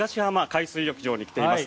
海水浴場に来ています。